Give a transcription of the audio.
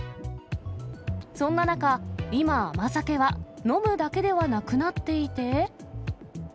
そんな中、今甘酒は飲むだけではなくなっていて。